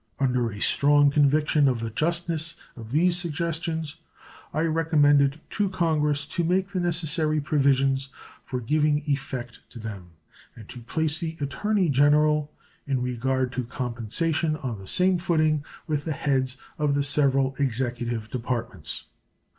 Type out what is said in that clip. Under a strong conviction of the justness of these suggestions, I recommend it to Congress to make the necessary provisions for giving effect to them, and to place the Attorney General in regard to compensation on the same footing with the heads of the several Executive Departments.